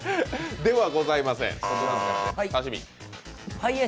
ではございません。